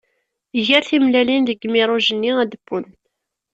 Ger timellalin deg mirruj-nni ad d-wwent.